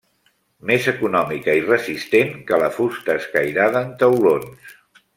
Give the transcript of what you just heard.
Més econòmica i resistent que la fusta escairada en taulons.